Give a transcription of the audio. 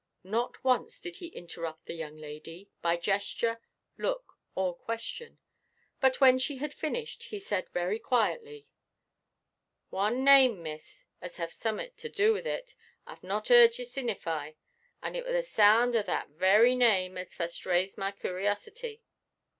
Not once did he interrupt the young lady, by gesture, look, or question. But when she had finished, he said very quietly, "One name, miss, as have summat to do with it, Iʼve not 'earʼd you sinnify; and it were the sound o' that very name as fust raised my coorosity.